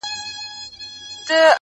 د زمري په اندېښنې وو پوهېدلی -